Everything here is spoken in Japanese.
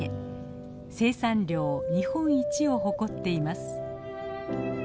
生産量日本一を誇っています。